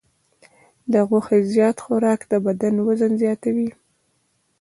د غوښې زیات خوراک د بدن وزن زیاتوي.